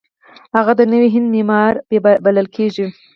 هغه د نوي هند معمار بلل کیږي.